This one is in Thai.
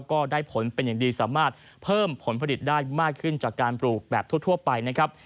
ก็ได้ผลเป็นอย่างดีสามารถเพิ่มผลผลิตได้มากขึ้นจากการปลูกแบบทั่วไปนะครับ